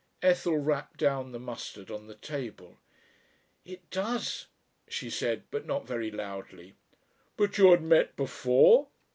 Ethel rapped down the mustard on the table. "It does," she said, but not very loudly. "But you had met before?"